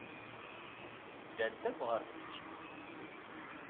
Ddant akk ɣer tneččit.